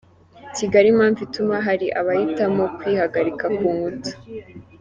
Kigali Impamvu ituma hari abahitamo kwihagarika ku nkuta